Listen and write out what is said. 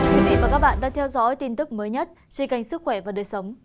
thưa quý vị và các bạn đang theo dõi tin tức mới nhất trên kênh sức khỏe và đời sống